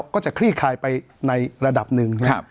ก็จะคลี่คลายไปในระดับหนึ่ง